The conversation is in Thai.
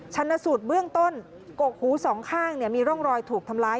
ชนะสูตรเบื้องต้นกกหูสองข้างมีร่องรอยถูกทำร้าย